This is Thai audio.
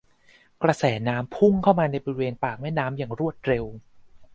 กระแสน้ำพุ่งเข้ามาในบริเวณปากแม่น้ำอย่างรวดเร็ว